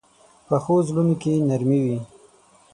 پخو زړونو کې نرمي وي